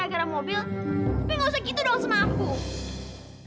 tapi nggak usah gitu dong sama aku